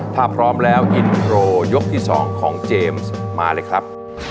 ถ้าพร้อมแล้วยกที่สองของเจมส์มาเลยครับ